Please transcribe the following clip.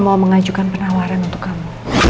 mau mengajukan penawaran untuk kamu